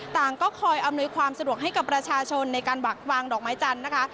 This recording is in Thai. ก็คอยอำนวยความสะดวกให้กับประชาชนในการวางดอกไม้จันทร์นะคะ